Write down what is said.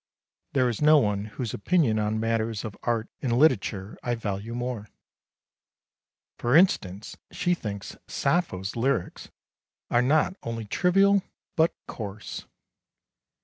There is no one whose opinion on matters of art and literature I value more. For instance she thinks Sappho's lyrics are not only trivial, but coarse.